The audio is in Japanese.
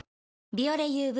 「ビオレＵＶ」